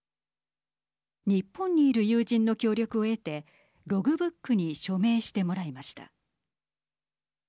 日本にいる友人の協力を得てログブックに署名してもらいました。